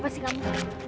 mau apa sih kamu tadi